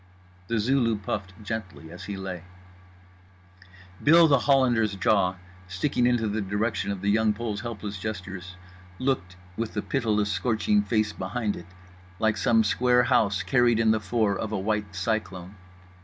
The Zulu puffed gently as he lay. Bill The Hollander's jaw, sticking into the direction of The Young Pole's helpless gestures, looked (with the pitiless scorching face behind it) like some square house carried in the fore of a white cyclone.